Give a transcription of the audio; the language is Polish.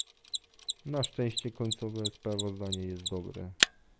Na szczęście końcowe sprawozdanie jest dobre